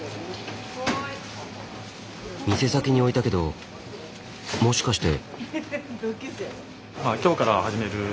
店先に置いたけどもしかして。